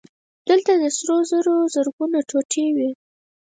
دلته د سرو زرو زرګونه ټوټې وې